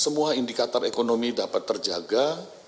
semua indikator ekonomi dapat terjaga